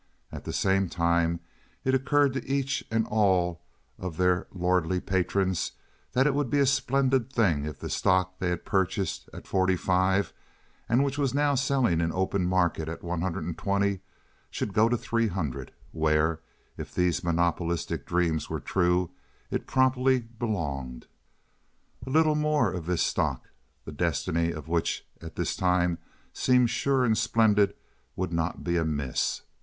At the same time it occurred to each and all of their lordly patrons that it would be a splendid thing if the stock they had purchased at forty five, and which was now selling in open market at one hundred and twenty, should go to three hundred, where, if these monopolistic dreams were true, it properly belonged. A little more of this stock—the destiny of which at this time seemed sure and splendid—would not be amiss.